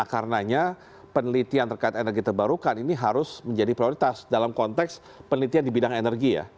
karenanya penelitian terkait energi terbarukan ini harus menjadi prioritas dalam konteks penelitian di bidang energi ya